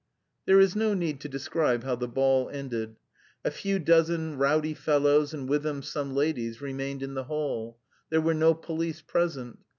There is no need to describe how the ball ended. A few dozen rowdy fellows, and with them some ladies, remained in the hall. There were no police present.